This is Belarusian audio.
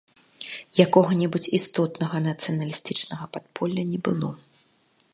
Якога-небудзь істотнага нацыяналістычнага падполля не было.